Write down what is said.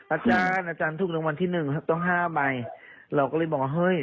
อาจารย์อาจารย์ถูกรางวัลที่หนึ่งต้องห้าใบเราก็เลยบอกว่าเฮ้ย